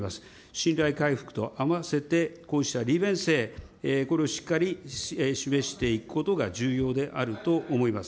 信頼回復と合わせて、こうした利便性、これをしっかり示していくことが重要であると思います。